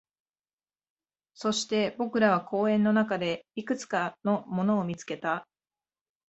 そして、僕らは公園の中でいくつかのものを見つけた